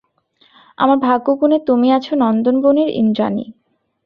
আমার ভাগ্যগুণে তুমি আছ নন্দনবনের ইন্দ্রাণী।